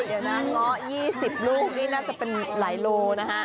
เดี๋ยวนะเงาะ๒๐ลูกนี่น่าจะเป็นหลายโลนะฮะ